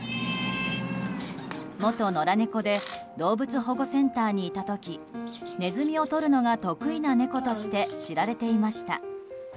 元野良猫で動物保護センターにいた時ネズミをとるのが得意な猫として知られていました。